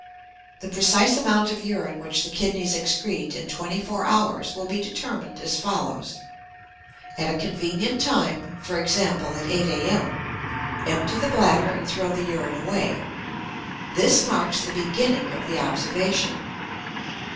The precise amount of urine which the kidneys excrete in twenty four hours will be determined as follows: At a convenient time, for example at 8 A.M., empty the bladder and throw the urine away; this marks the beginning of the observation.